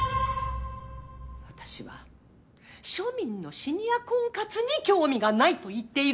私は庶民のシニア婚活に興味がないと言っているのよ。